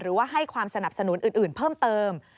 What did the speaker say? หรือว่าให้ความสนับสนุนอื่นเพิ่มเติม